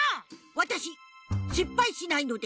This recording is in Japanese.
わたししっぱいしないので。